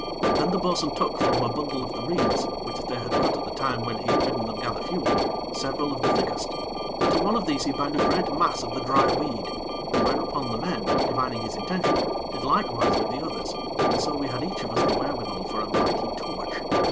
Then the bo'sun took from a bundle of the reeds, which they had cut at the time when he had bidden them gather fuel, several of the thickest, and to one of these he bound a great mass of the dry weed; whereupon the men, divining his intention, did likewise with the others, and so we had each of us the wherewithal for a mighty torch.